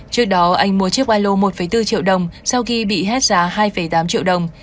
trước đó anh mua chiếc alo một bốn triệu đồng sau khi bị hết giá hai tám triệu đồng